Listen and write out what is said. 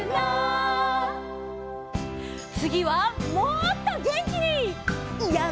つぎはもっとげんきに！